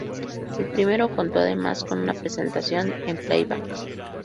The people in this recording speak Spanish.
El primero contó además con una presentación en playback.